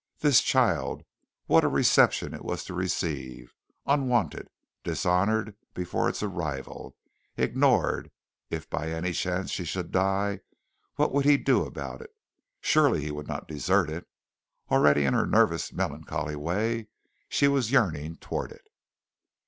This child what a reception it was to receive, unwanted, dishonored before its arrival, ignored; if by any chance she should die, what would he do about it? Surely he would not desert it. Already in her nervous, melancholy way, she was yearning toward it.